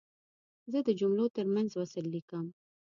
زه د جملو ترمنځ وصل لیکم.